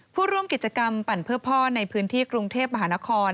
ผู้ร่วมกิจกรรมปั่นเพื่อพ่อในพื้นที่กรุงเทพมหานคร